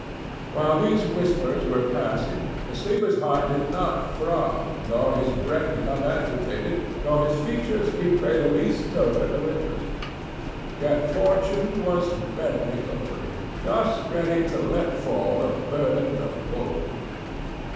While these whispers were passing, the sleeper's heart did not throb, nor his breath become agitated, nor his features betray the least token of interest. Yet Fortune was bending over him, just ready to let fall a burden of gold.